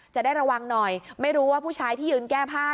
จะได้ระวังหน่อยไม่รู้ว่าผู้ชายที่ยืนแก้ผ้า